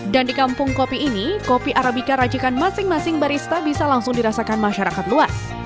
dan di kampung kopi ini kopi arabika rajikan masing masing barista bisa langsung dirasakan masyarakat luas